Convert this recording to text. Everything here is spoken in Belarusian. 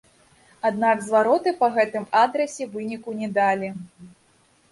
Аднак звароты па гэтым адрасе выніку не далі.